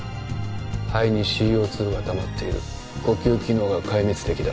肺にＣＯ２がたまっている呼吸機能が壊滅的だ